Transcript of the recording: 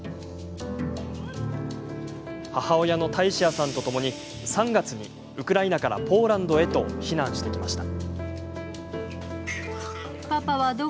母親のタイシアさんとともに３月にウクライナからポーランドへと避難してきました。